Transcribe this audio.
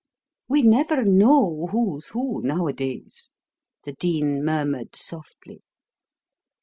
"We never know who's who nowadays," the Dean murmured softly.